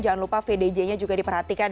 jangan lupa vdj nya juga diperhatikan